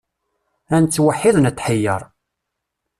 Ad nettweḥḥid netḥeyyeṛ.